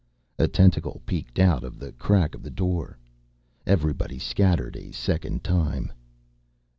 A tentacle peeked out of the crack of the door. Everybody scattered a second time.